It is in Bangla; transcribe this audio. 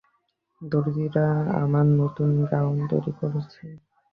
দরজীরা আমার নূতন গাউন তৈরী করছে।